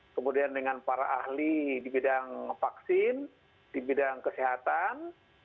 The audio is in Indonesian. kemudian dengan para ahli di bidang vaksin di bidang kesehatan